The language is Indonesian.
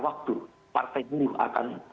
waktu partai buruh akan